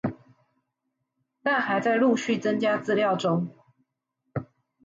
但還在陸續增加資料中